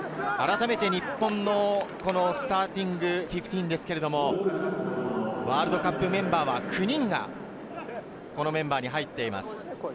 日本のスターティングフィフティーン、ワールドカップメンバーは９人がこのメンバーに入っています。